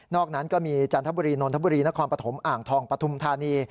นั้นก็มีจันทบุรีนนทบุรีนครปฐมอ่างทองปฐุมธานี